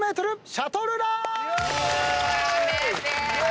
シャトルラン？